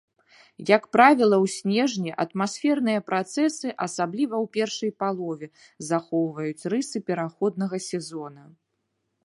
Як правіла, у снежні атмасферныя працэсы, асабліва ў першай палове, захоўваюць рысы пераходнага сезона.